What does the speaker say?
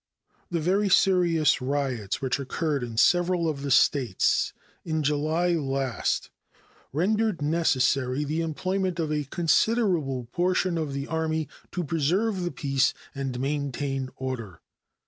The very serious riots which occurred in several of the States in July last rendered necessary the employment of a considerable portion of the Army to preserve the peace and maintain order.